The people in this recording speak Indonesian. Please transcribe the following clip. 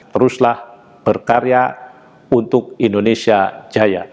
teruslah berkarya untuk indonesia jaya